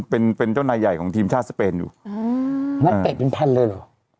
เป็นเป็นเจ้านายใหญ่ของทีมชาติสเปนอยู่อืมนักเตะเป็นพันเลยเหรอ